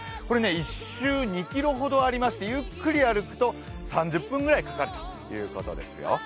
１周２ｋｍほどありましてゆっくり歩くと３０分ぐらいかかるということですよ。